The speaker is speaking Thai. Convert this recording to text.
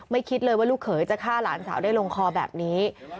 คิดเลยว่าลูกเขยจะฆ่าหลานสาวได้ลงคอแบบนี้